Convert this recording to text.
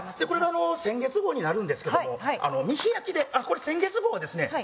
これが先月号になるんですけども見開きでこれ先月号はですね